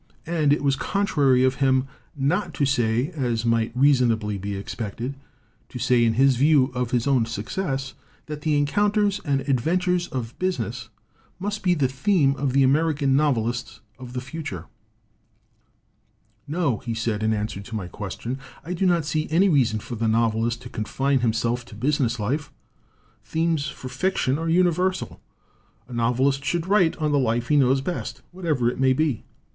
And it was contrary of him not to say, as he might reason ably be expected to say in view of his own success, that the encounters and adventures of business must be the theme of the American novelists of the future. "No," he said, in answer to my question, "I do not see any reason for the novelist to confine himself to business life. Themes for fiction are universal. A novelist should write of the life he knows best, whatever it may be.